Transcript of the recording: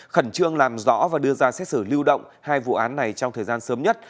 khẩn trương làm rõ và đưa ra xét xử lưu động hai vụ án này trong thời gian sớm nhất